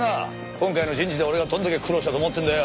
今回の人事で俺がどれだけ苦労したと思ってんだよ。